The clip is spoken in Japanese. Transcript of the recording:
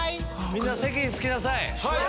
みんな席に着きなさい。